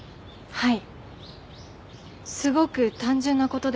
はい。